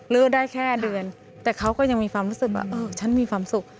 ได้แค่เดือนแต่เขาก็ยังมีความรู้สึกว่าเออฉันมีความสุข